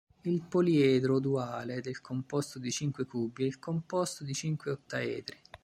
Il poliedro duale del composto di cinque cubi è il composto di cinque ottaedri.